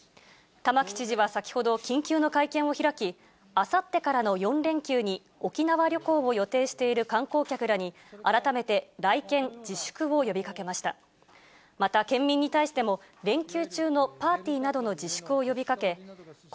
玉城知事は先ほど緊急の会見を開き、あさってからの４連休に沖縄旅行を予定している観光客らに改めて来県自粛を呼びかけました。